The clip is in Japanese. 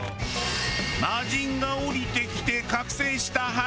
魔人が降りてきて覚醒した畠中。